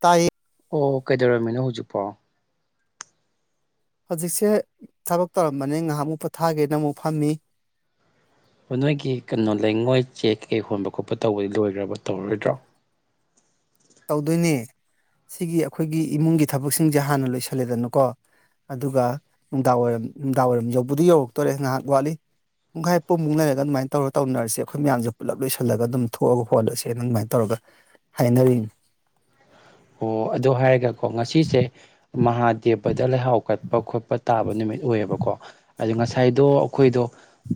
ꯇꯥꯏꯌꯦ ꯑꯣ ꯀꯩꯗꯧꯔꯝꯃꯤꯅꯣ ꯍꯧꯖꯤꯛꯄꯣ? ꯍꯧꯖꯤꯛꯁꯦ ꯊꯕꯛ ꯇꯧꯔꯝꯕꯅꯦ ꯉꯥꯏꯍꯥꯛ ꯑꯃꯨꯛ ꯄꯣꯊꯥꯒꯦꯅ ꯑꯃꯨꯛ ꯐꯝꯃꯤ꯫ ꯑꯣ ꯅꯣꯏꯒꯤ ꯀꯩꯅꯣ ꯂꯩꯉꯣꯏ ꯆꯦꯛ ꯀꯩ ꯀꯩ ꯍꯣꯟꯕ ꯈꯣꯠꯄ ꯇꯧꯕꯗꯤ ꯂꯣꯏꯈ꯭ꯔꯕꯣ ꯇꯧꯔꯣꯏꯗ꯭ꯔꯣ? ꯇꯧꯗꯣꯏꯅꯦ ꯁꯤꯒꯤ ꯑꯈꯣꯏꯒꯤ ꯏꯃꯨꯡꯒꯤ ꯊꯕꯛꯁꯤꯡꯖꯦ ꯍꯥꯟꯅ ꯂꯣꯏꯁꯜꯂꯦꯗꯅꯀꯣ ꯑꯗꯨꯒ ꯅꯨꯡꯗꯥꯡ ꯋꯥꯏꯔꯝ ꯅꯨꯡꯗꯥꯡ ꯋꯥꯏꯔꯝ ꯌꯧꯕꯗꯤ ꯌꯧꯔꯛꯇꯣꯔꯦ ꯉꯥꯍꯥꯛ ꯋꯥꯠꯂꯤ꯫ ꯄꯨꯡꯈꯥꯏ ꯄꯨꯡꯃꯨꯛ ꯂꯩꯔꯒ ꯑꯗꯨꯃꯥꯏꯅ ꯇꯧꯔꯒ ꯇꯧꯃꯥꯟꯅꯔꯁꯦ ꯑꯈꯣꯏ ꯃꯌꯥꯝꯖꯦ ꯄꯨꯂꯞ ꯂꯣꯏꯁꯤꯜꯂꯒ ꯑꯗꯨꯝ ꯊꯣꯛꯑꯒ ꯍꯣꯜꯂꯁꯦ ꯑꯗꯨꯥꯏꯅ ꯇꯧꯔꯒ꯫ ꯍꯥꯏꯅꯔꯤꯟ ꯑꯣ ꯑꯗꯨ ꯍꯥꯏꯔꯒꯀꯣ ꯉꯁꯤꯁꯦ ꯃꯍꯥꯗꯦꯕꯗ ꯂꯩꯍꯥꯎ ꯀꯠꯄ ꯈꯣꯠꯄ ꯇꯥꯕ ꯅꯨꯃꯤꯠ ꯑꯣꯏꯌꯦꯕꯀꯣ ꯉꯁꯥꯏꯗꯣ ꯑꯈꯣꯏꯗꯣ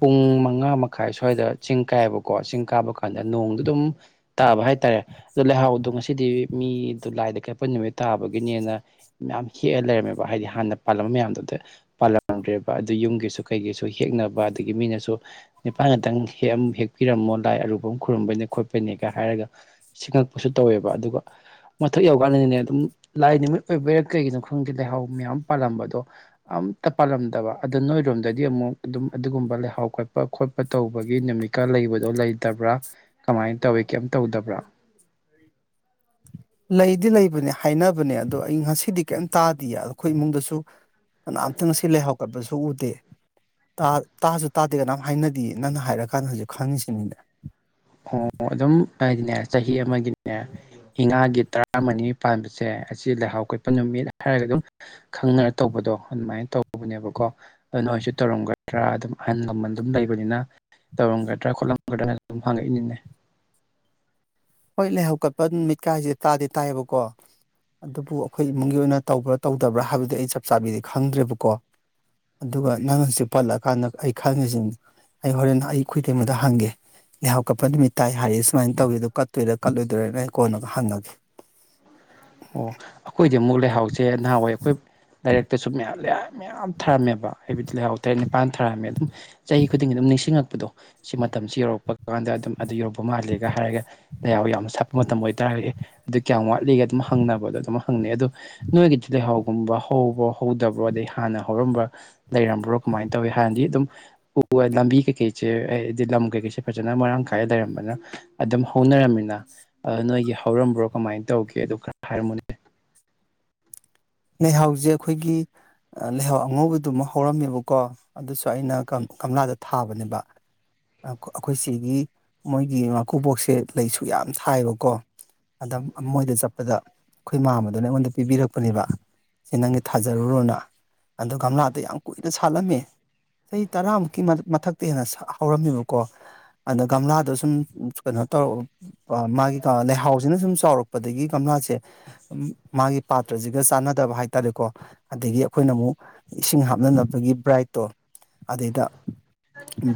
ꯄꯨꯡ ꯃꯉꯥ ꯃꯈꯥꯏ ꯁ꯭ꯋꯥꯏꯗ ꯆꯤꯡ ꯀꯥꯏꯌꯦꯕꯀꯣ ꯆꯤꯡ ꯀꯥꯕ ꯀꯥꯟꯗ ꯅꯣꯡꯗꯣ ꯑꯗꯨꯝ ꯇꯥꯕ ꯍꯥꯏꯇꯥꯔꯦ ꯑꯗꯨ ꯂꯩꯍꯥꯎꯗꯣ ꯉꯁꯤꯗꯤ ꯃꯤꯗꯣ ꯂꯥꯏꯗ ꯀꯠꯄ ꯅꯨꯃꯤꯠ ꯇꯥꯕꯒꯤꯅꯦꯅ ꯃꯌꯥꯝ ꯍꯦꯛꯑ ꯂꯩꯔꯝꯃꯦꯕ ꯍꯥꯏꯗꯤ ꯍꯥꯟꯅ ꯄꯥꯜꯂꯝꯕ ꯃꯌꯥꯝꯗꯨꯗ ꯄꯥꯜꯂꯝꯗ꯭ꯔꯦꯕ ꯑꯗꯨ ꯌꯨꯝꯒꯤꯁꯨ ꯀꯩꯒꯤꯁꯨ ꯍꯦꯛꯅꯕ ꯑꯗꯒꯤ ꯃꯤꯅꯁꯨ ꯅꯤꯄꯥꯥꯟ ꯉꯥꯛꯇꯪ ꯍꯦꯛꯑꯝ ꯍꯦꯛꯄꯤꯔꯝꯃꯣ ꯂꯥꯏ ꯑꯔꯨꯕ ꯑꯃ ꯈꯨꯔꯨꯝꯝꯕꯩꯅꯦ ꯈꯣꯠꯄꯩꯅꯦꯒ ꯍꯥꯏꯔꯒ ꯁꯤꯡꯉꯛꯄꯁꯨ ꯇꯧꯋꯦꯕ ꯑꯗꯨꯒ ꯃꯊꯛ ꯌꯧꯔꯀꯥꯟꯗꯗꯤꯅꯦ ꯑꯗꯨꯝ ꯂꯥꯏ ꯅꯨꯃꯤꯠ ꯑꯣꯏꯕꯩꯔꯥ ꯀꯩꯒꯤꯅꯣ ꯈꯪꯗꯦ ꯂꯩꯍꯥꯎ ꯃꯌꯥꯝ ꯄꯥꯜꯂꯝꯕ ꯑꯗꯣ ꯑꯝꯇ ꯄꯥꯜꯂꯝꯗꯕ ꯑꯗ ꯅꯣꯏꯔꯣꯝꯗꯒꯤ ꯑꯃꯨꯛ ꯑꯗꯨꯝ ꯑꯗꯨꯒꯨꯝꯕ ꯂꯩꯍꯥꯎ ꯀꯠꯄ ꯈꯣꯠꯄ ꯇꯧꯕꯒꯤ ꯅꯨꯃꯤꯠꯀ ꯂꯩꯕꯗꯣ ꯂꯩꯇꯕ꯭ꯔꯥ ꯀꯃꯥꯏꯅ ꯇꯧꯋꯤ ꯀꯩꯝ ꯇꯧꯗꯕ꯭ꯔꯥ ꯂꯩꯗꯤ ꯂꯩꯕꯅꯦ ꯍꯥꯏꯅꯕꯅꯦ ꯑꯗꯣ ꯑꯩ ꯉꯁꯤꯗꯤ ꯀꯔꯤꯝ ꯇꯥꯗꯤꯌꯦ ꯑꯩꯈꯣꯏ ꯏꯃꯨꯡꯗꯁꯨ ꯀꯅꯥꯝꯇ ꯉꯁꯤ ꯂꯩꯍꯥꯎ ꯀꯠꯄꯁꯨ [unintelligible] ꯎꯗꯦ ꯇꯥ ꯇꯥꯁꯨ ꯇꯥꯗꯦ ꯀꯅꯥꯝ ꯍꯥꯏꯅꯗꯤꯌꯦ ꯅꯪꯅ ꯍꯥꯏꯔꯀꯥꯟꯗ ꯍꯧꯖꯤꯛ ꯈꯪꯉꯤꯁꯤꯅꯤꯗꯅ ꯑꯣ ꯑꯗꯨꯝ ꯍꯥꯏꯗꯤꯅꯦ ꯆꯍꯤ ꯑꯃꯒꯤꯅꯦ ꯏꯉꯥꯒꯤ ꯇꯔꯥꯃꯔꯤ ꯄꯥꯟꯕꯁꯦ ꯑꯁꯤ ꯂꯩꯍꯥꯎ ꯀꯠꯄ ꯅꯨꯃꯤꯠ ꯍꯥꯏꯔꯒ ꯑꯗꯨꯝ ꯈꯪꯅꯔ ꯇꯧꯕꯗꯣ ꯑꯗꯨꯃꯥꯏꯅ ꯇꯧꯕꯅꯦꯕꯀꯣ ꯑꯗꯨ ꯅꯣꯏꯁꯨ ꯇꯧꯔꯝꯒꯗ꯭ꯔꯥ ꯑꯗꯨꯝ ꯑꯍꯟ ꯂꯃꯟ ꯑꯗꯨꯝ ꯂꯩꯕꯅꯤꯅ ꯇꯧꯔꯝꯒꯗ꯭ꯔꯥ ꯈꯣꯠꯂꯝꯒꯗ꯭ꯔꯥꯅ ꯑꯗꯨꯝ ꯍꯪꯉꯛꯏꯅꯤꯅꯦ ꯍꯣꯏ ꯂꯩꯍꯥꯎ ꯀꯠꯄ ꯅꯨꯃꯤꯠ ꯀꯥꯏꯁꯦ ꯇꯥꯗꯤ ꯇꯥꯏꯌꯦꯕꯀꯣ ꯑꯗꯨꯕꯨ ꯑꯩꯈꯣꯏ ꯏꯃꯨꯡꯒꯤ ꯑꯣꯏꯅ ꯇꯧꯕ꯭ꯔꯥ ꯇꯧꯗꯕ꯭ꯔꯥ ꯍꯥꯏꯕꯗꯨ ꯑꯩ ꯆꯞ ꯆꯥꯕꯤꯗꯤ ꯈꯪꯗ꯭ꯔꯦꯕꯀꯣ ꯑꯗꯨꯒ ꯅꯪ ꯍꯧꯖꯤꯛ ꯄꯜꯂꯛꯑꯀꯥꯟꯗ ꯑꯩ ꯈꯪꯉꯤꯁꯤꯅꯤ ꯑꯩ ꯍꯣꯔꯦꯟ ꯑꯩ ꯈꯣꯏ ꯏꯇꯩꯃꯗ ꯍꯪꯒꯦ ꯂꯩꯍꯥꯎ ꯀꯠꯄ ꯅꯨꯃꯤꯠ ꯇꯥꯏ ꯍꯥꯏꯌꯦ ꯁꯨꯃꯥꯏꯅ ꯇꯧꯋꯦ ꯀꯠ ꯀꯠꯇꯣꯏꯔ ꯀꯠꯂꯣꯏꯗꯣꯏꯔ ꯑꯩ ꯀꯣꯟꯅ ꯍꯪꯉꯒꯦ ꯑꯣ ꯑꯩꯈꯣꯏꯗꯤ ꯑꯃꯨꯛ ꯂꯩꯍꯥꯎꯁꯦ ꯅꯍꯥꯟꯋꯥꯏ ꯑꯩꯈꯣꯏ ꯂꯥꯏꯔꯛꯇꯁꯨ ꯃꯌꯥꯝ ꯃꯌꯥꯝ ꯃꯌꯥꯝ ꯊꯥꯔꯝꯃꯦꯕ ꯍꯥꯏꯕꯗꯤ ꯂꯩꯥꯍꯥꯎ ꯇꯔꯦꯠ ꯅꯤꯄꯥꯜ ꯊꯥꯔꯝꯃꯦ ꯑꯗꯨꯝ ꯆꯍꯤ ꯈꯨꯗꯤꯡꯒꯤ ꯑꯗꯨꯝ ꯅꯤꯡꯁꯤꯡꯉꯛꯄꯗꯣ ꯁꯤ ꯃꯇꯝꯁꯤ ꯌꯧꯔꯛꯄꯒ ꯀꯥꯟꯗ ꯑꯗꯨꯝ ꯑꯗꯨ ꯌꯧꯕ ꯃꯥꯂꯦꯒ ꯍꯥꯏꯔꯒ ꯂꯩꯍꯥꯎ ꯌꯥꯝ ꯁꯥꯠꯄ ꯃꯇꯝ ꯑꯣꯏꯇꯥꯔꯒꯗꯤ ꯑꯗꯨ ꯀꯌꯥꯝ ꯋꯥꯠꯂꯤꯒ ꯑꯗꯨꯝ ꯍꯪꯅꯕꯗꯣ ꯑꯗꯨꯝ ꯍꯪꯅꯩ ꯑꯗꯣ ꯅꯣꯏꯒꯤꯗꯤ ꯂꯩꯍꯥꯎꯒꯨꯝꯕ ꯍꯧꯕ꯭ꯔꯣ ꯍꯧꯗꯕ꯭ꯔꯣ ꯑꯗꯩ ꯍꯥꯟꯅ ꯍꯧꯔꯝꯕ ꯂꯩꯔꯝꯕ꯭ꯔꯣ ꯀꯃꯥꯏꯅ ꯇꯧꯏ ꯍꯥꯟꯅꯗꯤ ꯑꯗꯨꯝ ꯎ ꯂꯝꯕꯤ ꯀꯩꯀꯩꯁꯦ ꯍꯥꯏꯗꯤ ꯂꯝ ꯀꯩꯀꯩꯁꯦ ꯐꯖꯅ ꯃꯔꯥꯡ ꯀꯥꯏꯅ ꯂꯩꯔꯝꯕꯅ ꯑꯗꯨꯝ ꯍꯧꯅꯔꯝꯃꯤꯅ ꯅꯣꯏꯒꯤ ꯍꯧꯔꯝꯕ꯭ꯔꯣ ꯀꯃꯥꯏꯅ ꯇꯧꯒꯦ ꯑꯗꯨ ꯈꯔ ꯍꯥꯏꯔꯝꯃꯨꯅꯦ ꯂꯩꯍꯥꯎꯁꯦ ꯑꯩꯈꯣꯏꯒꯤ ꯂꯩꯍꯥꯎ ꯑꯉꯧꯕꯗꯨꯃ ꯍꯧꯔꯝꯃꯦꯕꯀꯣ ꯑꯗꯨꯁꯨ ꯑꯩꯅ ꯀꯪ ꯀꯪꯂꯥꯗ ꯊꯥꯕꯅꯦꯕ ꯑꯥ ꯑꯩꯈꯣꯏ ꯁꯤꯒꯤ ꯃꯣꯏꯒꯤ ꯃꯀꯨꯕꯣꯛꯁꯦ ꯂꯩꯁꯨ ꯌꯥꯝ ꯊꯥꯏꯌꯦꯕꯀꯣ ꯑꯗ ꯃꯣꯏꯗ ꯆꯠꯄꯗ ꯑꯩꯈꯣꯏ ꯃꯥꯝꯃꯗꯨꯅ ꯑꯩꯉꯣꯟꯗ ꯄꯤꯕꯤꯔꯛꯄꯅꯦꯕ ꯁꯤ ꯅꯪꯒꯤ ꯊꯥꯖꯔꯨꯔꯣꯅ ꯑꯗꯣ ꯒꯝꯂꯥꯗ ꯌꯥꯝ ꯀꯨꯏꯅ ꯁꯥꯠꯂꯝꯃꯦ ꯆꯍꯤ ꯇꯔꯥꯃꯨꯛꯀꯤ ꯃꯥ ꯃꯊꯛꯇ ꯍꯦꯟꯅ ꯍꯧꯔꯝꯃꯦꯕꯀꯣ ꯑꯗ ꯒꯝꯂꯥꯗꯣ ꯁꯨꯝ ꯀꯩꯅꯣ ꯇꯧꯔꯛꯑꯣ ꯃꯥꯒꯤ ꯂꯩꯍꯥꯎꯁꯤꯅ ꯁꯨꯝ ꯆꯥꯎꯔꯛꯄꯗꯒꯤ ꯒꯝꯂꯥꯁꯦ ꯃꯥꯒꯤ ꯄꯥꯇ꯭ꯔꯁꯤꯒ ꯆꯥꯟꯅ ꯇꯥꯕ ꯍꯥꯏ ꯇꯥꯔꯦꯀꯣ ꯑꯗꯒꯤ ꯑꯩꯈꯣꯏꯅ ꯑꯃꯨꯛ ꯏꯁꯤꯡ ꯍꯥꯞꯅꯅꯕꯒꯤ ꯕ꯭ꯔꯥꯏꯠꯇꯣ ꯑꯗꯩꯗ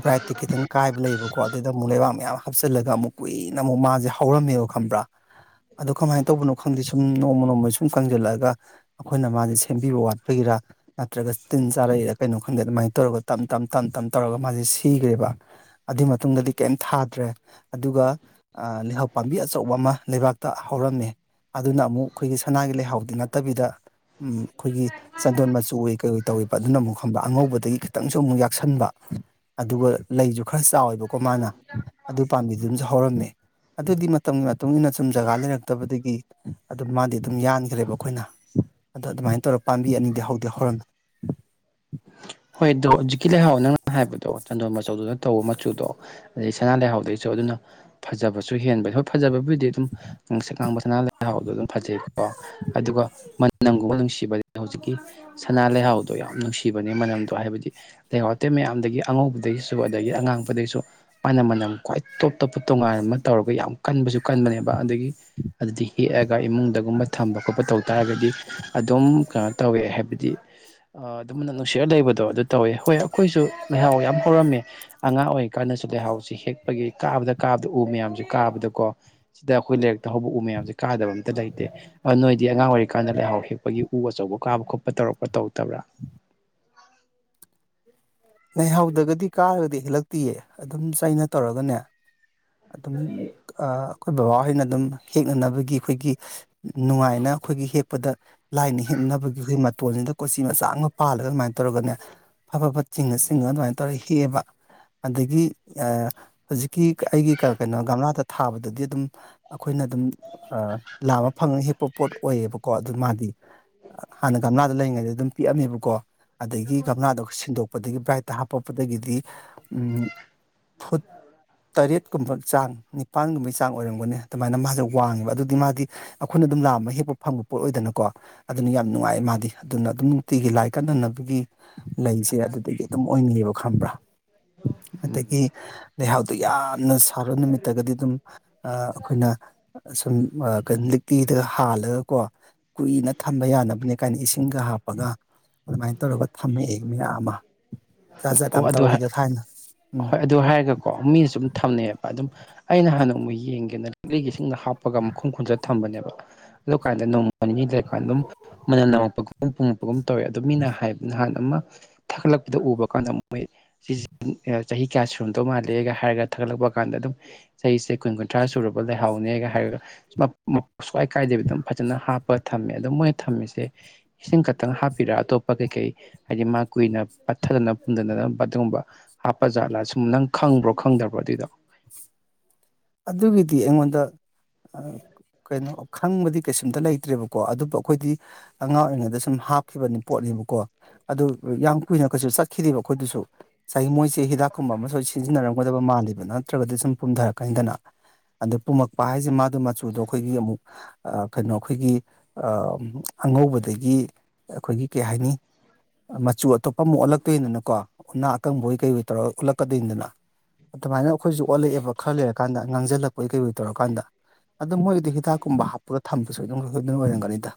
ꯕ꯭ꯔꯥꯏꯠꯇꯤ ꯈꯤꯇꯪ ꯀꯥꯏꯕ ꯂꯩꯌꯦꯕꯀꯣ ꯑꯗꯨꯏꯗ ꯑꯃꯨꯛ ꯂꯩꯕꯥꯛ ꯃꯌꯥꯝ ꯍꯥꯞꯆꯤꯜꯂꯒ ꯑꯃꯨꯛ ꯀꯨꯏꯅ ꯑꯃꯨꯛ ꯃꯥꯁꯦ ꯍꯧꯔꯝꯃꯦꯕ ꯈꯪꯕ꯭ꯔꯥ ꯑꯗꯣ ꯀꯃꯥꯏꯅ ꯇꯧꯕꯅꯣ ꯈꯪꯗꯦ ꯁꯨꯝ ꯅꯣꯡꯃ ꯅꯣꯡꯃ ꯁꯨꯝ ꯀꯪꯖꯜꯂꯛꯑꯒ ꯑꯩꯈꯣꯏꯅ ꯃꯥꯁꯦ ꯁꯦꯝꯕꯤꯕ ꯋꯥꯠꯄꯒꯤꯔꯥ ꯅꯠꯇ꯭ꯔꯒ ꯇꯤꯟ ꯆꯥꯔꯛꯏꯔꯥ ꯀꯩꯅꯣ ꯈꯪꯗꯦ ꯑꯗꯨꯃꯥꯏꯅ ꯇꯧꯔꯒ ꯇꯝ ꯇꯝ ꯇꯝ ꯇꯝ ꯇꯝ ꯇꯧꯔꯒ ꯃꯥꯁꯦ ꯁꯤꯈ꯭ꯔꯦꯕ ꯑꯗꯨꯏ ꯃꯇꯨꯡꯗꯗꯤ ꯀꯩꯝ ꯊꯥꯗ꯭ꯔꯦ ꯑꯗꯨꯒ ꯑꯥ ꯂꯩꯍꯥꯎ ꯄꯥꯝꯕꯤ ꯑꯆꯧꯕ ꯑꯃ ꯂꯩꯕꯥꯛꯇ ꯍꯧꯔꯝꯃꯦ ꯑꯗꯨꯅ ꯑꯃꯨꯛ ꯑꯩꯈꯣꯏꯒꯤ ꯁꯅꯥꯒꯤ ꯂꯩꯍꯥꯎꯗꯤ ꯅꯠꯇꯕꯤꯗ ꯎꯝ ꯑꯩꯈꯣꯏꯒꯤ ꯆꯟꯗꯣꯟ ꯃꯆꯨ ꯑꯣꯏ ꯀꯩ ꯑꯣꯏ ꯇꯧꯋꯦꯕ ꯑꯗꯨꯅ ꯑꯃꯨꯛ ꯈꯪꯕ ꯑꯉꯧꯕꯗꯒꯤ ꯈꯤꯇꯪꯁꯨ ꯑꯃꯨꯛ ꯌꯥꯛꯁꯟꯕ ꯑꯗꯨꯒ ꯂꯩꯁꯨ ꯈꯔ ꯆꯥꯎꯋꯦꯕꯀꯣ ꯃꯥꯅ ꯑꯗꯨ ꯄꯥꯝꯕꯤꯗꯨꯝꯁꯨ ꯍꯧꯔꯝꯃꯦ ꯑꯗꯨꯗꯤ ꯃꯇꯝꯒꯤ ꯃꯇꯨꯡ ꯃꯇꯨꯡꯏꯟꯅ ꯁꯨꯝ ꯖꯒꯥ ꯂꯩꯔꯛꯇꯕꯗꯒꯤ ꯑꯗꯨꯝ ꯃꯥꯗꯤ ꯑꯗꯨꯝ ꯌꯥꯟꯈ꯭ꯔꯦꯕ ꯑꯩꯈꯣꯏꯅ ꯑꯗ ꯑꯗꯨꯃꯥꯏ ꯇꯧꯔꯒ ꯄꯥꯝꯕꯤ ꯑꯅꯤꯗꯤ ꯍꯧꯗꯤ ꯍꯧꯔꯝꯃꯦ ꯍꯣꯏ ꯑꯗꯣ ꯍꯧꯖꯤꯛꯀꯤ ꯂꯩꯍꯥꯎ ꯅꯪꯅ ꯍꯥꯏꯕꯗꯣ ꯆꯟꯗꯣꯟ ꯃꯆꯧꯗꯨꯅ ꯇꯧꯕ ꯃꯆꯨꯗꯣ ꯑꯗꯩ ꯁꯅꯥ ꯂꯩꯍꯥꯎꯗꯩꯁꯨ ꯑꯗꯨꯅ ꯐꯖꯕꯁꯨ ꯍꯦꯟꯕꯩ ꯍꯣꯏ ꯐꯖꯕꯕꯨꯗꯤ ꯑꯗꯨꯝ ꯉꯪꯁꯛ ꯉꯥꯡꯕ ꯁꯅꯥ ꯂꯩꯍꯥꯎꯗꯣ ꯑꯗꯨꯝ ꯐꯖꯩꯀꯣ ꯑꯗꯨꯒ ꯃꯅꯝꯒꯨꯝꯕ ꯅꯨꯡꯁꯤꯕꯅꯦ ꯍꯧꯖꯤꯛꯀꯤ ꯁꯅꯥ ꯂꯩꯍꯥꯎꯗꯣ ꯌꯥꯝ ꯅꯨꯡꯁꯤꯕꯅꯦ ꯃꯅꯝ ꯑꯗꯣ ꯍꯥꯏꯕꯗꯤ ꯂꯩꯍꯥꯎ ꯑꯇꯩ ꯃꯌꯥꯝꯗꯒꯤ ꯑꯉꯧꯕꯗꯩꯩꯁꯨ ꯑꯗꯒꯤ ꯑꯉꯥꯡꯕꯗꯩꯩꯁꯨ ꯃꯅꯝ ꯃꯅꯝ ꯈ꯭ꯋꯥꯏ ꯇꯣꯞ ꯇꯣꯞꯄ ꯇꯣꯉꯥꯟ ꯑꯃ ꯇꯧꯔꯒ ꯌꯥꯝ ꯀꯟꯕꯁꯨ ꯀꯟꯕꯅꯦꯕ ꯑꯗꯒꯤ ꯑꯗꯨꯗꯤ ꯍꯦꯛꯑꯒ ꯏꯃꯨꯡꯗꯒꯨꯝꯕ ꯊꯝꯕ ꯈꯣꯠꯄ ꯇꯧ ꯇꯔꯒꯗꯤ ꯑꯗꯨꯝ ꯀꯩꯅꯣ ꯇꯧꯋꯦ ꯍꯥꯏꯕꯗꯤ ꯑꯗꯨꯝ ꯅꯨꯡꯁꯤꯔꯒꯥ ꯂꯩꯕ ꯗꯣ ꯑꯗꯨ ꯇꯧꯋꯦ ꯍꯣꯏ ꯑꯩꯈꯣꯏꯁꯨ ꯂꯩꯍꯥꯎ ꯌꯥꯝ ꯍꯧꯔꯝꯃꯦ ꯑꯉꯥꯡ ꯑꯣꯏꯔꯤꯀꯥꯟꯗꯁꯨ ꯂꯩꯍꯥꯎꯁꯤ ꯍꯦꯛꯄꯒꯤ ꯀꯥꯕꯗ ꯀꯥꯕꯗ ꯎ ꯃꯌꯥꯝꯁꯤ ꯀꯥꯕꯗꯀꯣ ꯁꯤꯗ ꯑꯩꯈꯣꯏ ꯂꯩꯥꯔꯛꯇ ꯍꯧꯕ ꯎ ꯃꯌꯥꯝꯁꯦ ꯀꯥꯗꯕ ꯑꯝꯇ ꯂꯩꯇꯦ ꯑ ꯅꯣꯏꯗꯤ ꯑꯉꯥꯡ ꯑꯣꯏꯔꯤꯀꯥꯟꯗ ꯂꯩꯍꯥꯎ ꯍꯦꯛꯄꯒꯤ ꯎ ꯑꯆꯧꯕ ꯀꯥꯕ ꯈꯣꯠꯄ ꯇꯧꯔꯛꯄꯥ ꯇꯧꯔꯛꯇꯕ꯭ꯔꯥ ꯂꯩꯥꯍꯥꯎꯗꯒꯗꯤ ꯀꯥꯔꯒꯗꯤ ꯍꯦꯜꯂꯛꯇꯤꯌꯦ ꯑꯗꯨꯝ ꯆꯩꯅ ꯇꯧꯔꯒꯅꯦ ꯑꯗꯨꯝ ꯑꯩꯈꯣꯏ ꯕꯕꯥꯍꯣꯏꯅ ꯑꯗꯨꯝ ꯍꯦꯛꯅꯅꯕꯒꯤ ꯑꯩꯈꯣꯏꯒꯤ ꯅꯨꯡꯉꯥꯏꯅ ꯑꯩꯈꯣꯏꯒꯤ ꯍꯦꯛꯄꯗ ꯂꯥꯏꯅ ꯍꯦꯛꯅꯕꯒꯤ ꯑꯩꯈꯣꯏ ꯃꯇꯣꯟꯜꯁꯤꯗ ꯀꯣꯆꯤ ꯃꯆꯥ ꯑꯃ ꯄꯥꯜꯂꯒ ꯑꯗꯨꯃꯥꯏꯅ ꯇꯧꯔꯒꯅꯦ ꯐ ꯐꯥ ꯐꯠ ꯆꯤꯡꯉ ꯆꯤꯡꯉ ꯑꯗꯨꯃꯥꯏꯅ ꯇꯧꯔꯒ ꯍꯦꯛꯑꯦꯕ ꯑꯗꯒꯤ ꯍꯧꯖꯤꯛꯀꯤ ꯑꯩꯒꯤ ꯀꯩꯅꯣ ꯒꯝꯂꯥꯗ ꯊꯥꯕꯗꯗꯤ ꯑꯗꯨꯝ ꯑꯩꯈꯣꯏꯅ ꯑꯗꯨꯝ ꯂꯥꯝꯃ ꯐꯪꯉ ꯍꯦꯛ ꯄ ꯄꯣꯠ ꯑꯣꯏꯌꯦꯕꯀꯣ ꯑꯗꯨ ꯃꯥꯗꯤ ꯍꯥꯟꯅ ꯒꯝꯂꯥꯗ ꯂꯩꯔꯤꯉꯩꯗ ꯑꯗꯨꯝ ꯄꯤꯛꯑꯝꯃꯦꯕꯀꯣ ꯑꯗꯒꯤ ꯒꯝꯂꯥꯗꯣ ꯁꯤꯟꯗꯣꯛꯄꯗꯒꯤ ꯕ꯭ꯔꯥꯏꯠꯇ ꯍꯥꯞꯄꯛꯄꯗꯒꯤꯗꯤ ꯎꯝ ꯐꯨꯠ ꯇꯔꯦꯠꯀꯨꯝꯕ ꯆꯥꯡ ꯅꯤꯄꯥꯟꯒꯨꯝꯕꯩ ꯆꯥꯡ ꯑꯣꯏꯔꯝꯒꯅꯤ ꯑꯗꯨꯃꯥꯏꯅ ꯃꯥꯁꯦ ꯋꯥꯡꯉꯦꯕ ꯑꯗꯨꯗꯤ ꯃꯥꯗꯤ ꯑꯩꯈꯣꯏꯅ ꯑꯗꯨꯝ ꯂꯥꯝꯃ ꯍꯦꯛꯄ ꯐꯪꯕ ꯄꯣꯠ ꯑꯣꯏꯗꯅꯀꯣ ꯑꯗꯨꯅ ꯌꯥꯝ ꯅꯨꯡꯉꯥꯏ ꯃꯥꯗꯤ ꯑꯗꯨꯅ ꯑꯗꯨꯝ ꯅꯨꯡꯇꯤꯒꯤ ꯂꯥꯏ ꯀꯠꯅꯅꯕꯒꯤ ꯂꯩꯁꯦ ꯑꯗꯨꯗꯒꯤ ꯑꯗꯨꯝ [unintelligible] ꯈꯪꯕ꯭ꯔꯥ ꯎꯝ ꯑꯗꯒꯤ ꯂꯩꯍꯥꯎ ꯑꯗꯨ ꯌꯥꯝꯅ ꯁꯥꯕ ꯅꯨꯃꯤꯠꯇꯒꯗꯤ ꯑꯗꯨꯝ ꯑꯩꯈꯣꯏꯅ ꯁꯨꯝ ꯂꯤꯛꯂꯤꯗꯒꯥ ꯍꯥꯜꯂꯒꯀꯣ ꯀꯨꯏꯅ ꯊꯝꯕ ꯌꯥꯅꯕꯅꯦ ꯀꯥꯏꯅ ꯏꯁꯤꯡꯒ ꯍꯥꯞꯄꯒ ꯑꯗꯨꯃꯥꯏꯅ ꯇꯧꯔꯒ ꯊꯝꯃꯛꯑꯦ ꯃꯌꯥꯝ ꯑꯃ ꯖꯠ ꯖꯥꯠ ꯑꯣ ꯑꯃ ꯑꯗꯨ ꯇꯧꯔꯛꯏꯗ ꯊꯥꯏꯅ ꯎꯝ ꯀꯣ ꯃꯤꯅꯁꯨ ꯑꯗꯨꯝ ꯊꯝꯅꯩꯑꯕ ꯑꯗꯨꯝ ꯑꯩ ꯅꯍꯥꯟ ꯅꯣꯡꯃꯥ ꯌꯦꯡꯒꯦꯅ [unintelligible] ꯏꯁꯤꯡꯗ ꯍꯥꯞꯄꯒ ꯃꯈꯨꯝ ꯈꯨꯝꯖꯤꯟꯂꯒ ꯊꯝꯕꯅꯦꯕ ꯑꯗꯨ ꯀꯥꯟꯗ ꯅꯣꯡꯃ ꯅꯤꯅꯤ ꯂꯩꯔꯀꯥꯟꯗ ꯑꯗꯨꯝ ꯃꯅꯝ ꯅꯝꯃꯛꯛꯄꯒꯨꯝ ꯄꯨꯡꯉꯛꯄꯒꯨꯝ ꯇꯧꯋꯦ ꯑꯗꯨꯣ ꯃꯤꯅ ꯍꯥꯏꯕ ꯅꯍꯥꯟ ꯑꯃ ꯊꯥꯒꯠꯂꯛꯄꯗ ꯎꯕ ꯀꯥꯟꯗ ꯃꯣꯏ ꯆꯍꯤ ꯀꯌꯥ ꯁꯨꯔꯝꯗꯧ ꯃꯥꯜꯂꯦꯒ ꯍꯥꯏꯔꯒ ꯊꯥꯒꯠꯂꯛꯄ ꯀꯥꯟꯗ ꯑꯗꯨꯝ ꯆꯍꯤꯁꯦ ꯀꯨꯟ ꯀꯨꯟꯊ꯭ꯔꯥ ꯁꯨꯔꯕ ꯂꯩꯍꯥꯎꯅꯦꯒ ꯍꯥꯏꯔꯒ ꯁꯨꯡꯋꯥꯥꯏ ꯀꯥꯏꯗꯕꯤ ꯑꯗꯨꯝ ꯐꯖꯅ ꯍꯥꯞꯄ ꯊꯝꯃꯦ ꯑꯗꯨꯣ ꯃꯣꯏꯅ ꯊꯝꯃꯤꯁꯦ ꯏꯁꯤꯡ ꯈꯛꯇꯪ ꯍꯥꯞꯄꯤꯔ ꯑꯇꯣꯞꯄ ꯀꯩꯀꯩ ꯍꯥꯏꯗꯤ ꯃꯥ ꯀꯨꯏꯅ ꯄꯠꯊꯗꯅ [unintelligible] ꯑꯗꯨꯒꯨꯝꯕ ꯍꯥꯞꯄ ꯖꯥꯠꯂꯥ ꯁꯨꯝ ꯅꯪ ꯈꯪꯕ꯭ꯔꯣ ꯈꯪꯗꯕ꯭ꯔꯣ ꯑꯗꯨꯏꯗꯣ ꯑꯗꯨꯒꯤꯗꯤ ꯑꯩꯉꯣꯟꯗ [unintelligible] ꯀꯩꯅꯣ ꯈꯪꯕꯗꯤ ꯀꯩꯁꯨꯝꯇ ꯂꯩꯇ꯭ꯔꯦꯕꯀꯣ ꯑꯗꯨꯕꯨ ꯑꯩꯈꯣꯏꯗꯤ ꯑꯉꯥꯡ ꯑꯣꯏꯔꯤꯉꯩꯗ ꯁꯨꯝ ꯍꯥꯞꯈꯤꯕꯅꯤ ꯄꯣꯠꯅꯦꯕꯀꯣ ꯑꯗꯨ ꯌꯥꯝ ꯀꯨꯏꯅ ꯀꯩꯁꯨ ꯆꯠꯈꯤꯗꯦꯕ ꯑꯩꯈꯣꯏꯗꯨꯁꯨ ꯉꯁꯥꯏꯒꯤ ꯃꯣꯏꯁꯦ ꯍꯤꯗꯥꯛꯀꯨꯝꯕ ꯑꯃ ꯁꯣꯏ ꯁꯤꯖꯤꯟꯅꯔꯝꯒꯗꯕ ꯃꯥꯜꯂꯤꯕ ꯅꯠꯇ꯭ꯔꯒꯗꯤ ꯁꯨꯝ ꯄꯨꯝꯗꯔꯛꯀꯅꯤꯗꯅ ꯑꯗ ꯄꯨꯝꯃꯛꯄ ꯍꯥꯏꯁꯦ ꯃꯥꯗꯣ ꯃꯆꯨꯗꯣ ꯑꯩꯈꯣꯏꯒꯤ ꯑꯃꯨꯛ ꯑ ꯀꯩꯅꯣ ꯑꯩꯈꯣꯏꯒꯤ ꯑ ꯑꯉꯧꯕꯗꯒꯤ ꯑꯩꯈꯣꯏꯒꯤ ꯀꯩꯍꯥꯏꯅꯤ ꯃꯆꯨ ꯑꯇꯣꯞꯄ ꯑꯃꯨꯛ ꯑꯣꯜꯂꯛꯇꯣꯏꯗꯅꯀꯣ ꯎꯅꯥ ꯑꯀꯪꯕꯑꯣꯏ ꯀꯩꯑꯣꯏ ꯇꯧꯔꯒ ꯑꯨꯠꯂꯛꯀꯗꯣꯏꯅꯤꯗꯅ꯫ ꯑꯗꯨꯃꯥꯏꯅ ꯑꯩꯈꯣꯏꯁꯨ ꯑꯣꯜꯂꯛꯑꯦꯕ ꯈꯔ ꯂꯩꯔꯀꯥꯟꯗ ꯉꯥꯡꯁꯤꯜꯂꯛꯄꯩ ꯀꯩꯑꯣꯏ ꯇꯧꯔꯀꯥꯟꯗ꯫ ꯑꯗꯣ ꯃꯣꯏꯒꯤꯗꯤ ꯍꯤꯗꯥꯛꯀꯨꯝꯕ ꯍꯥꯞꯄꯒ ꯊꯝꯕ ꯁꯣꯏ [unintelligible] ꯁꯣꯏꯗꯅ ꯑꯣꯏꯔꯝꯒꯅꯤꯗ꯫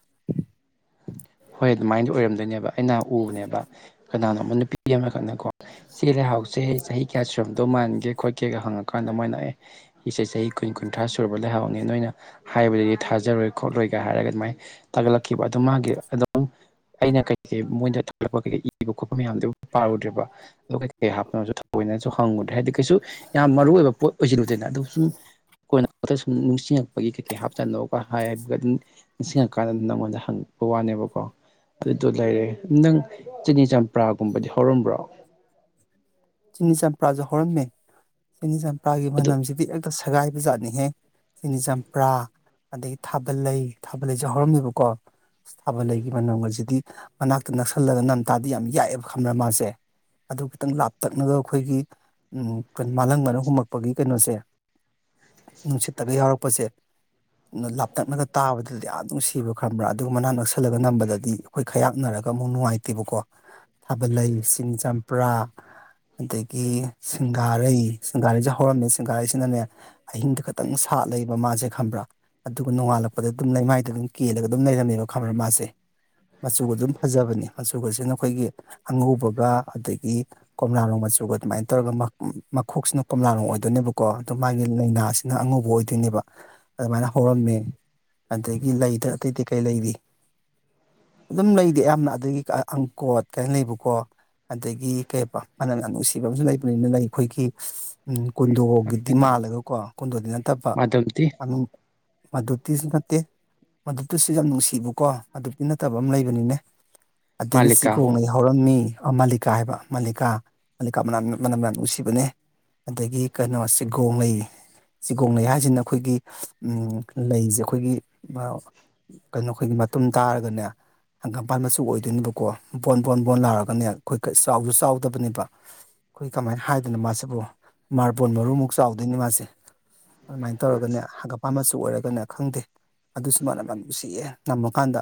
ꯍꯣꯏ ꯑꯗꯨꯃꯥꯏꯅꯗꯤ ꯑꯣꯏꯔꯝꯗꯣꯏꯅꯦꯕ ꯑꯩꯅ ꯎꯕꯅꯦꯕ ꯀꯅꯥꯅꯣ ꯑꯃ ꯅꯨꯄꯤ ꯑꯃꯈꯛꯅꯀꯣ ꯁꯤꯒꯤ ꯂꯩꯍꯥꯎꯁꯦ ꯆꯍꯤ ꯀꯌꯥ ꯁꯨꯔꯝꯗꯧ ꯃꯥꯟꯒꯦ ꯈꯣꯠꯀꯦꯒ ꯍꯪꯉꯀꯥꯟꯗ ꯃꯣꯏꯅ ꯑꯦ ꯁꯤꯁꯦ ꯆꯍꯤ ꯀꯨꯟ ꯀꯨꯟꯊ꯭ꯔꯥ ꯁꯨꯔꯕ ꯂꯩꯍꯥꯎꯅꯦ ꯅꯣꯏꯅ ꯍꯥꯏꯕꯗꯗꯤ ꯊꯥꯖꯔꯣꯏ ꯈꯣꯠꯂꯣꯏꯒꯥꯏ ꯍꯥꯏꯔꯒ ꯑꯗꯨꯃꯥꯏ ꯇꯥꯒꯠꯂꯛꯈꯤꯕ ꯑꯗꯨ ꯃꯥꯒꯤ ꯑꯗ ꯑꯩꯅ ꯀꯩꯀꯩ ꯃꯣꯏꯗ ꯊꯥꯒꯠꯂꯛꯄ ꯀꯩꯀꯩ ꯏꯕ ꯈꯣꯠꯄ ꯃꯌꯥꯝꯗꯨ ꯄꯥꯔꯨꯗ꯭ꯔꯦꯕ꯫ ꯑꯗꯣ ꯀꯩꯀꯩ ꯍꯥꯞꯄꯅꯣꯁꯨ ꯊꯑꯣꯏꯅꯁꯨ ꯍꯪꯉꯨꯗ꯭ꯔꯦ ꯍꯥꯏꯗꯤ ꯀꯩꯁꯨ ꯌꯥꯝ ꯃꯔꯨ ꯑꯣꯏꯕ ꯄꯣꯠ ꯑꯣꯏꯁꯤꯜꯂꯨꯗꯪꯅ ꯑꯗꯨ ꯁꯨꯝ ꯀꯣꯟꯅ [inaudible] ꯁꯨꯝ ꯅꯤꯡꯁꯤꯡꯉꯛꯄꯒꯤ ꯀꯩꯀꯩ ꯍꯥꯞꯆꯥꯅꯣꯒ ꯍꯥꯏꯕꯒ ꯑꯗꯨꯝ ꯅꯤꯡꯁꯤꯡꯉꯀꯥꯟꯗ ꯅꯪꯉꯣꯟꯗ ꯍꯪꯉꯛꯄ ꯋꯥꯅꯦꯕ꯫ ꯀꯣ ꯑꯗꯨꯗꯣ ꯂꯩꯔꯦ ꯅꯪ ꯆꯤꯅꯤ ꯆꯝꯄ꯭ꯔꯥꯒꯨꯝꯕꯗꯤ ꯍꯧꯔꯝꯕ꯭ꯔꯣ꯫ ꯆꯤꯅꯤ ꯆꯝꯄ꯭ꯔꯥꯁꯨ ꯍꯧꯔꯝꯃꯦ ꯆꯤꯅꯤ ꯆꯝꯄ꯭ꯔꯥꯒꯤ ꯑꯗꯨ ꯃꯅꯝꯁꯤꯗꯤ ꯑꯦꯛꯇ ꯁꯦꯒꯥꯏꯕ ꯖꯥꯠꯅꯤꯍꯦ꯫ ꯁꯤꯅꯤ ꯆꯝꯄ꯭ꯔꯥ ꯑꯗꯒꯤ ꯊꯥꯕꯜꯂꯩ ꯊꯥꯕꯜꯂꯩꯁꯨ ꯍꯧꯔꯝꯃꯦꯕꯀꯣ꯫ ꯊꯥꯕꯜꯂꯩꯒꯤ ꯃꯅꯝꯒꯁꯤꯗꯤ ꯃꯅꯥꯛꯇ ꯅꯛꯁꯜꯂꯒ ꯅꯝꯇꯥꯗꯤ ꯌꯥꯝ ꯌꯥꯛꯑꯦꯕ ꯈꯪꯕ꯭ꯔ ꯃꯥꯁꯦ꯫ ꯑꯗꯨ ꯈꯤꯇꯪ ꯂꯥꯞ ꯇꯛꯅꯒ ꯑꯩꯈꯣꯏꯒꯤ ꯎ ꯀ-ꯃꯥꯂꯪꯕꯅ ꯍꯨꯝꯃꯛꯛꯄꯒꯤ ꯀꯩꯅꯣꯁꯦ ꯅꯨꯡꯁꯤꯠꯇꯒ ꯌꯥꯎꯔꯛꯄꯁꯦ ꯂꯥꯞꯇꯛꯅꯒ ꯇꯥꯕꯗꯗꯤ ꯌꯥꯝ ꯅꯨꯡꯁꯤꯕ ꯈꯪꯕ꯭ꯔꯥ ꯑꯗꯨꯒ ꯃꯅꯥꯛ ꯅꯛꯁꯤꯜꯂꯒ ꯅꯝꯕꯗꯗꯤ ꯍꯣꯏ ꯈꯌꯥꯛꯅꯔꯒ ꯑꯃꯨꯛ ꯅꯨꯡꯉꯥꯏꯇꯦꯕꯀꯣ ꯊꯥꯕꯜꯂꯩ ꯆꯤꯅꯤ ꯆꯝꯄ꯭ꯔꯥ ꯑꯗꯒꯤ ꯁꯤꯡꯒꯥꯔꯩ ꯁꯤꯡꯒꯥꯔꯩꯁꯨ ꯍꯧꯔꯝꯃꯦ ꯁꯤꯡꯒꯥꯔꯩꯁꯤꯅꯅꯦ ꯑꯍꯤꯡꯗ ꯈꯛꯇꯪ ꯁꯥꯠ ꯂꯩꯕ ꯃꯥꯁꯦ ꯈꯕ꯭ꯔꯥ꯫ ꯑꯗꯨꯒ ꯅꯣꯡꯉꯥꯜꯂꯛꯄꯗ ꯑꯗꯨꯝ ꯂꯩꯃꯥꯏꯗ ꯑꯗꯨꯝ ꯀꯦꯜꯂꯒ ꯑꯗꯨꯝ ꯂꯩꯔꯝꯃꯦꯕ ꯈꯝꯕꯔ ꯃꯥꯥꯁꯦ꯫ ꯃꯆꯨꯒ ꯑꯗꯨꯝ ꯐꯖꯕꯅꯤ ꯃꯆꯨꯒꯁꯤꯅ ꯑꯩꯈꯣꯏꯒꯤ ꯑꯉꯧꯕꯒ ꯑꯗꯒꯤ ꯀꯣꯝꯂꯥ ꯂꯣꯡ ꯃꯆꯨꯒ ꯑꯗꯨꯃꯥꯏꯅ ꯇꯧꯔꯒ ꯃ-ꯃꯈꯣꯛꯁꯤꯅ ꯀꯣꯝꯂꯥ ꯂꯣꯡ ꯑꯣꯏꯗꯣꯏꯅꯦꯕ ꯀꯣ ꯑꯗꯨ ꯃꯥꯒꯤ ꯂꯥꯏꯅꯥꯁꯤꯅ ꯑꯉꯧꯕ ꯑꯣꯏꯗꯣꯏꯅꯦꯕ ꯑꯗꯨꯃꯥꯏꯅ ꯍꯧꯔꯝꯃꯦ꯫ ꯑꯗꯒꯤ ꯂꯩꯗ ꯑꯇꯩꯇꯩ ꯀꯩ ꯂꯩꯔꯤ꯫ ꯑꯗꯨꯝ ꯂꯩꯗꯤ ꯑꯌꯥꯝꯅ ꯑꯗꯨꯒꯤ ꯑ-ꯑꯪꯀꯣꯠ ꯀꯥꯏꯅ ꯂꯩꯕꯀꯣ꯫ ꯑꯗꯒꯤ ꯀꯩ ꯍꯥꯏꯕ ꯃꯅꯝ ꯌꯥꯝ ꯅꯨꯡꯁꯤꯕ ꯑꯃꯁꯨ ꯂꯩꯕꯅꯤꯅꯦ ꯂꯩ ꯑꯩꯈꯣꯏꯒꯤ꯫ ꯎꯝ ꯀꯨꯟꯗꯣꯒꯤꯗꯤ ꯃꯥꯜꯂꯒꯀꯣ ꯀꯨꯟꯗꯣꯗꯤ ꯅꯠꯇꯕ ꯃꯥꯙꯕꯇꯤ [unintelligible] ꯃꯥꯗꯨꯚꯇꯤꯁꯨ ꯅꯠꯇꯦ꯫ ꯃꯥꯗꯨꯚꯇꯤꯁꯨ ꯌꯥꯝ ꯅꯨꯡꯁꯤꯕꯀꯣ ꯃꯥꯗꯨꯚꯇꯤ ꯅꯠꯇꯕ ꯑꯃ ꯂꯩꯕꯅꯤꯅꯦ꯫ ꯑꯗꯒꯤ ꯃꯥꯂꯤꯀꯥ ꯆꯤꯒꯣꯡꯂꯩ ꯍꯧꯔꯝꯃꯤ ꯑ-ꯃꯥꯂꯤꯀꯥ ꯍꯥꯏꯕ ꯃꯥꯂꯤꯀꯥ꯫ ꯃꯥꯂꯤꯀꯥ ꯃꯅꯝ ꯃꯅꯝ ꯌꯥꯝ ꯅꯨꯡꯁꯤꯕꯅꯦ ꯑꯗꯒꯤ ꯀꯩꯅꯣ ꯆꯤꯒꯣꯡꯂꯩ ꯆꯤꯒꯣꯡꯂꯩꯩ ꯍꯥꯏꯁꯤꯅ ꯑꯩꯈꯣꯏꯒꯤ ꯎꯝ ꯂꯩꯁꯦ ꯑꯩꯈꯣꯏꯒꯤ ꯑ ꯀꯩꯅꯣ ꯑꯩꯈꯣꯏꯒꯤ ꯃꯇꯨꯝ ꯇꯥꯔꯒꯅꯦ ꯍꯪꯒꯥꯝꯄꯥꯥꯟ ꯃꯆꯨ ꯑꯣꯏꯗꯣꯏꯅꯦꯕꯀꯣ ꯕꯣꯟ ꯕꯣꯟ ꯕꯣꯟ ꯂꯥꯎꯔꯒꯅꯦ ꯑꯩꯈꯣꯏ ꯀ-ꯆꯥꯎꯁꯨ ꯆꯥꯎꯗꯕꯅꯦꯕ꯫ ꯑꯩꯈꯣꯏ ꯀꯃꯥꯏꯅ ꯍꯥꯏꯗꯣꯏꯅꯣ ꯃꯥꯁꯤꯕꯨ ꯃꯥꯔꯕꯣꯟ ꯃꯔꯨꯃꯨꯛ ꯆꯥꯎꯗꯣꯏꯅꯤ ꯃꯥꯁꯦ꯫ ꯑꯗꯨꯃꯥꯏꯅ ꯇꯧꯔꯒꯅꯦ ꯍꯪꯒꯥꯝꯄꯥꯟ ꯃꯆꯨ ꯑꯣꯏꯔꯒꯅꯦ ꯈꯪꯗꯦ ꯑꯗꯨꯁꯨꯨ ꯃꯅꯝ ꯌꯥꯝ ꯅꯨꯡꯁꯤꯌꯦ ꯅꯝꯃꯀꯥꯟꯗ꯫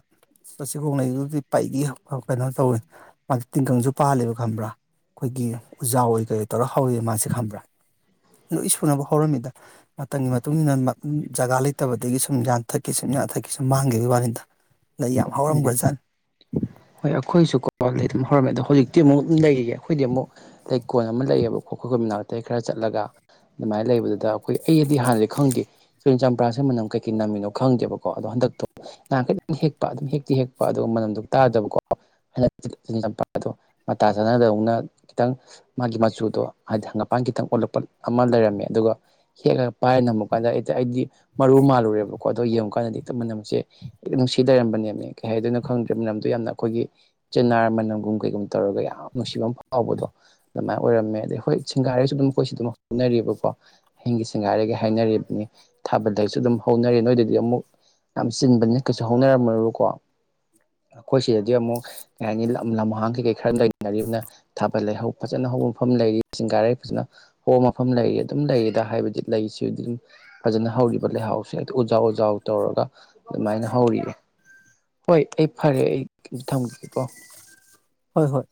ꯆ-ꯆꯤꯒꯣꯡꯂꯩꯗꯨꯗꯤ ꯄꯩꯒꯩ ꯑ ꯀꯩꯅꯣ ꯇꯧꯋꯤ ꯃꯥꯗꯤ ꯇꯤꯡꯈꯪꯁꯨ ꯄꯥꯜꯂꯦꯕ ꯈꯝꯕ꯭ꯔꯥ꯫ ꯑꯩꯈꯣꯏꯒꯤ ꯎꯖꯥꯎ ꯑꯣꯏ ꯀꯩꯑꯣꯏ ꯇꯧꯔ ꯍꯧꯋꯦ ꯃꯥꯁꯦ ꯈꯪꯕ꯭ꯔꯥ ꯂꯣꯏ ꯁꯨꯅꯕ ꯍꯧꯔꯝꯃꯤꯗ꯫ ꯃꯇꯝꯒꯤ ꯃꯇꯨꯡ ꯏꯟꯅ ꯃ-ꯖꯒꯥ ꯂꯩꯇꯕꯗꯒꯤ ꯁꯨꯝ ꯌꯥꯟꯊꯠꯀꯤ ꯁꯨꯝ ꯌꯥꯟꯊꯠꯀꯤ ꯁꯨꯝ ꯃꯥꯡꯈꯤꯕꯒꯤ ꯋꯥꯅꯤꯗ꯫ ꯂꯩ ꯌꯥꯝ ꯎꯝ ꯍꯧꯔꯝꯈ꯭ꯔꯖꯥꯠꯅꯤ ꯍꯣꯏ ꯑꯈꯣꯏꯁꯨ ꯀꯣꯄꯥꯂꯦꯠ ꯑꯗꯨꯝ ꯍꯧꯔꯝꯃꯦ ꯑꯗꯣ ꯍꯧꯖꯤꯛ ꯇꯤ ꯑꯃꯨꯛ ꯑꯗꯨꯝ ꯂꯩꯌꯦꯌꯦ ꯑꯈꯣꯏꯗꯤ ꯑꯃꯨꯛ ꯂꯩꯀꯣꯟ ꯑꯃ ꯂꯩꯌꯦꯕ ꯈꯣꯠ ꯈꯨ ꯃꯅꯥꯇꯩ ꯈꯔ ꯆꯠꯂꯒ ꯑꯗꯨꯃꯥꯏꯅ ꯂꯩꯕꯗꯨꯗ ꯑꯈꯣꯏ ꯑꯩꯗꯤ ꯍꯥꯟꯅꯗꯤ ꯈꯪꯗꯦ ꯆꯤꯅꯤ ꯆꯝꯄ꯭ꯔꯥꯁꯦ ꯃꯅꯝ ꯀꯩꯀꯩ ꯅꯝꯃꯤꯅꯣ ꯈꯪꯗꯦꯕꯀꯣ ꯑꯗꯣ ꯍꯟꯗꯛꯇꯣ ꯅꯍꯥꯟ ꯈꯤꯇꯪ ꯍꯦꯛ ꯄ ꯑꯗꯨꯝ ꯍꯦꯛꯇꯤ ꯍꯦꯛꯄ ꯑꯗꯣ ꯃꯅꯝꯗꯣ ꯇꯥꯗꯕꯀꯣ ꯍꯟꯗꯛꯇꯤ ꯆꯤꯅꯤ ꯆꯝꯄꯥꯗꯣ ꯃꯇꯥ ꯆꯅꯗꯧꯅ ꯈꯤꯇꯪ ꯃꯥꯒꯤ ꯃꯆꯨꯗꯣ ꯍꯥꯏꯗꯤ ꯍꯪꯒꯄꯥꯟ ꯈꯤꯇꯪ ꯑꯣꯜꯂꯛꯄ ꯑꯃ ꯂꯩꯔꯝꯃꯦ ꯑꯗꯨꯒ ꯍꯦꯛꯑꯒ ꯄꯥꯏꯔ ꯅꯝꯃꯨꯀꯥꯟꯗ ꯍꯦꯛꯇ ꯑꯩꯗꯤ ꯃꯔꯨ ꯃꯥꯜꯂꯨꯔꯦꯕꯀꯣ ꯑꯗꯣ ꯌꯦꯡꯉꯨꯀꯥꯟꯗꯗꯤ ꯍꯦꯛꯇ ꯃꯅꯝꯁꯦ ꯅꯨꯡꯁꯤ ꯁꯤ ꯂꯩꯔꯝꯕꯅꯦꯃꯤ ꯀꯩ ꯍꯥꯏꯗꯨꯅꯣ ꯈꯪꯗ꯭ꯔꯦ ꯃꯅꯝꯗꯣ ꯌꯥꯝꯅ ꯑꯈꯣꯏꯒꯤ ꯆꯤꯅꯥꯔ ꯃꯅꯝꯒꯨꯝ ꯀꯩꯒꯨꯝ ꯇꯧꯔꯒ ꯌꯥꯝ ꯅꯨꯡꯁꯤꯕꯃ ꯐꯥꯎꯕꯗꯣ ꯑꯗꯨꯃꯥꯏ ꯑꯣꯏꯔꯝꯃꯦ ꯑꯗꯩ ꯍꯣꯏ ꯁꯤꯡꯒꯔꯩꯁꯨ ꯑꯗꯨꯝ ꯑꯈꯣꯏ ꯁꯤꯗ ꯑꯗꯨꯝ ꯍꯣꯠꯅꯔꯤꯑꯕꯀꯣ ꯑꯍꯤꯡꯒꯤ ꯁꯤꯡꯒꯔꯩꯒ ꯍꯥꯏꯅꯔꯤꯕꯅꯤ ꯊꯥꯕꯜꯂꯩꯁꯨ ꯑꯗꯨꯝ ꯍꯧꯅꯔꯦ ꯅꯣꯏꯗꯗꯤ ꯑꯃꯨꯛ ꯌꯥꯝ ꯆꯤꯟꯕꯅꯤꯅ ꯀꯩꯁꯨ ꯍꯧꯅꯔꯝꯃꯔꯣꯏꯀꯣ ꯑꯈꯣꯏ ꯁꯤꯗꯗꯤ ꯑꯃꯨꯛ ꯀꯩ ꯍꯥꯏꯅꯤ ꯂꯝ ꯂꯝꯍꯥꯡ ꯀꯩ ꯀꯩ ꯈꯔ ꯂꯩꯅꯔꯤꯕꯅ ꯊꯥꯕꯜꯂꯩ ꯍꯧ ꯐꯖꯅ ꯍꯧꯕ ꯃꯐꯝ ꯂꯩꯔꯤ ꯁꯤꯡꯒꯥꯔꯩ ꯐꯖꯅ ꯍꯣ ꯃꯐꯝ ꯂꯩꯔꯤ ꯑꯗꯨꯝ ꯂꯩꯔꯤꯗ ꯍꯥꯏꯕꯗꯤ ꯂꯩꯁꯤ ꯑꯗꯨꯝ ꯐꯖꯅ ꯍꯧꯔꯤꯕ ꯂꯩꯍꯥꯎꯁꯦ ꯍꯦꯛꯇ ꯎꯖꯥꯎ ꯑꯣꯖꯥꯎ ꯇꯧꯔꯒ ꯑꯗꯨꯃꯥꯏꯅ ꯍꯧꯔꯤꯑꯦ ꯍꯣꯏ ꯑꯩ ꯐꯔꯦ ꯑꯩ ꯊꯝꯒꯤꯒꯦ ꯀꯣ ꯍꯣꯏ ꯍꯣꯏ